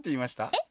えっ？